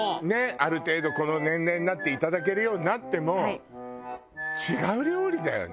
ある程度この年齢になっていただけるようになっても違う料理だよね。